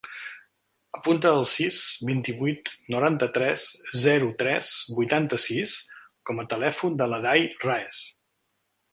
Apunta el sis, vint-i-vuit, noranta-tres, zero, tres, vuitanta-sis com a telèfon de l'Aday Raez.